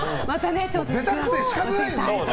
出たくて仕方ないんだね。